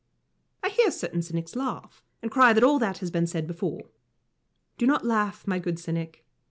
I hear certain cynics laugh, and cry that all that has been said before. Do not laugh, my good cynic.